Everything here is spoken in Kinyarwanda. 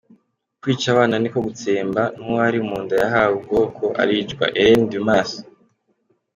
-Kwica abana niko gutsemba, n’uwari mu nda yahawe ubwoko aricwa, Hélène Dumas